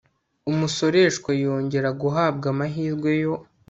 Umusoreshwa yongera guhabwa amahirwe yo